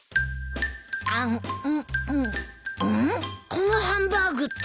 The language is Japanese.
このハンバーグって。